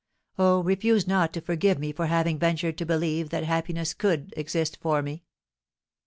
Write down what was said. Oh, refuse not to forgive me for having ventured to believe that happiness could exist for me!"